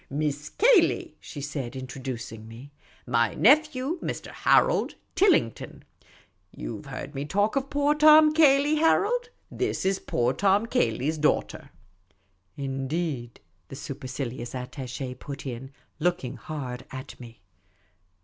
" Miss Cayley," she said, introducing me ;" my nephew, Mr. Harold Tilling ton. You 've heard me talk of poor Tom Cayley, Harold ? This is poor Tom Cayley's daughter." "Indeed?" the supercilious attache put in, looking hard at me.